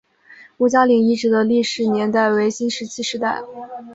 吴家岭遗址的历史年代为新石器时代。